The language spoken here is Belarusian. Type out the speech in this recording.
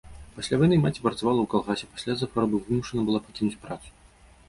Пасля вайны маці працавала ў калгасе, пасля з-за хваробы вымушаная была пакінуць працу.